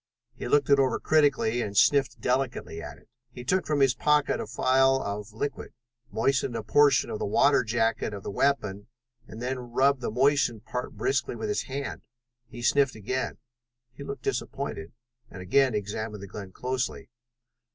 He looked it over critically and sniffed delicately at it. He took from his pocket a phial of liquid, moistened a portion of the water jacket of the weapon, and then rubbed the moistened part briskly with his hand. He sniffed again. He looked disappointed, and again examined the gun closely.